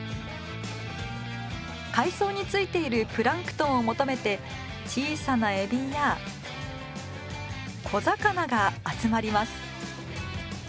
海藻についているプランクトンを求めて小さなエビや小魚が集まります。